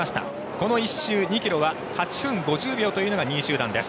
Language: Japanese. この１周２ｋｍは８分５０秒というのが２位集団です。